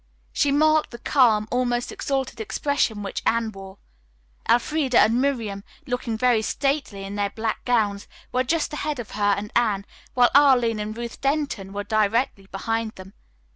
She marked the calm, almost exalted expression which Anne wore. Elfreda and Miriam, looking very stately in their black gowns, were just ahead of her and Anne, while Arline and Ruth Denton were directly behind them.